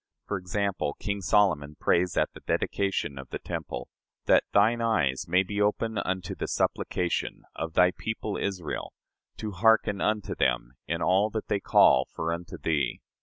For example, King Solomon prays at the dedication of the temple: "That thine eyes may be open unto the supplication ... of thy people Israel, to hearken unto them in all that they call for unto thee.